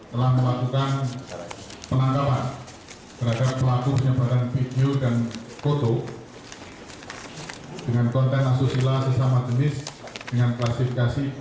telah melakukan penangkapan terhadap pelaku penyebaran video dan foto dengan konten asusila sesama jenis dengan klasifikasi